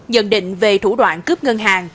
nhận định về thủ đoạn cướp ngân hàng